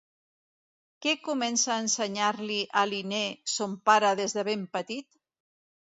Què comença a ensenyar-li a Linné son pare des de ben petit?